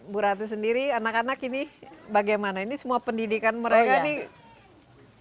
bu ratu sendiri anak anak ini bagaimana ini semua pendidikan mereka nih